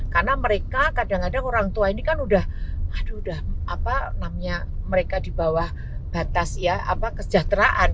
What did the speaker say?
karena mereka kadang kadang orang tua ini kan sudah di bawah batas kesejahteraan